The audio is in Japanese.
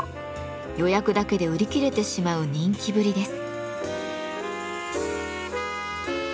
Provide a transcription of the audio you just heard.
予約だけで売り切れてしまう人気ぶりです。